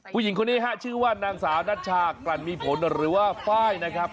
ผู้หญิงคนนี้ฮะชื่อว่านางสาวนัชชากลั่นมีผลหรือว่าไฟล์นะครับ